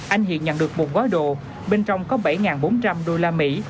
anh hiện nhận được một gói đồ bên trong có bảy bốn trăm linh đô la mỹ